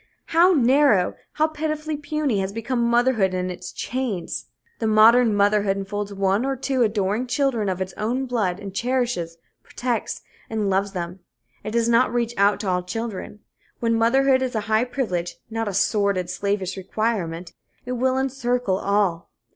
How narrow, how pitifully puny has become motherhood in its chains! The modern motherhood enfolds one or two adoring children of its own blood, and cherishes, protects and loves them. It does not reach out to all children. When motherhood is a high privilege, not a sordid, slavish requirement, it will encircle all.